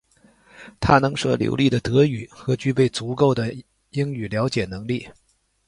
他能说流利的德语和具备足够的英语了解能力。